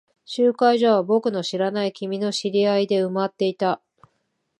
集会所は僕の知らない君の知り合いで埋まっていた。